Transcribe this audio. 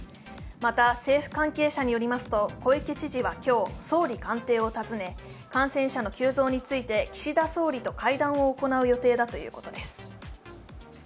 また、政府関係者によりますと小池知事は今日、総理官邸を訪ね感染者の急増について岸田総理と会談を行う予定だということです。